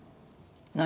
何？